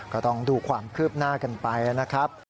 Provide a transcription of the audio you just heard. ก็ต้องดูความคืบหน้ากันไปนะครับ